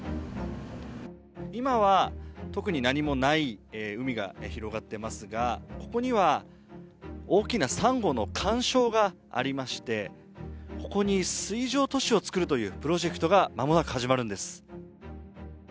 今は特に何もない海が広がっていますが、ここには大きなサンゴの環礁がありまして、ここに水上都市をつくるというプロジェクトが間もなく始まるんです。